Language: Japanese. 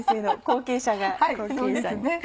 後継者に。